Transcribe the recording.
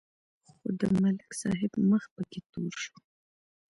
خو د ملک صاحب مخ پکې تور شو.